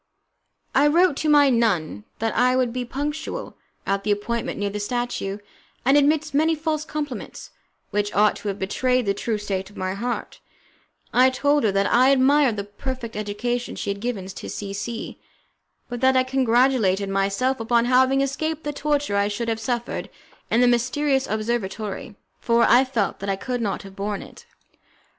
I wrote to my nun that I would be punctual at the appointment near the statue, and amidst many false compliments, which ought to have betrayed the true state of my heart, I told her that I admired the perfect education she had given to C C , but that I congratulated myself upon having escaped the torture I should have suffered in the mysterious observatory, for I felt that I could not have borne it.